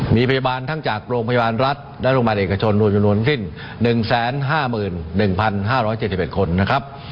มีพยาบาลทั้งจากโรงพยาบาลรัฐและโรงพยาบาลเอกชนรวมจำนวนสิ้น๑๕๑๕๗๑คนนะครับ